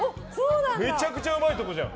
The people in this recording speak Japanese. めちゃくちゃうまいとこじゃん！